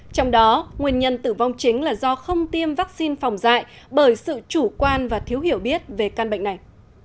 trong đó nguyên nhân tử vong chính là do không tiêm vaccine phòng dạy bởi sự chủ quan và thiếu hiểu biết về căn bệnh này